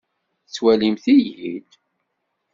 Tettwalim-iyi-d?